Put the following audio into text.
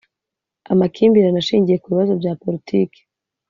Amakimbirane ashingiye ku bibazo bya Politiki